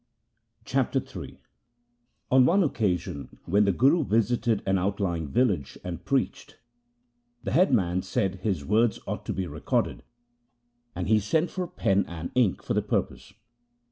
Chapter III On one occasion when the Guru visited an out lying village and preached, the headman said his words ought to be recorded, and he sent for pen and ink for the purpose.